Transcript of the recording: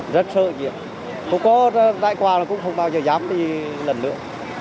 rất sợ gì cũng có đại quà là cũng không bao giờ dám đi lần nữa